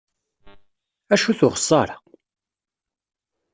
Acu-t uxessar-a?